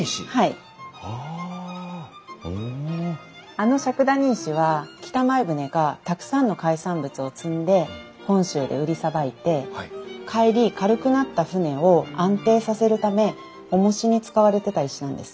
あの笏谷石は北前船がたくさんの海産物を積んで本州で売りさばいて帰り軽くなった船を安定させるためおもしに使われてた石なんです。